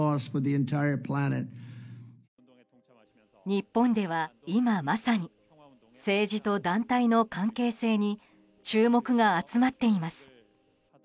日本では、今まさに政治と団体の関係性に注目が集まっています。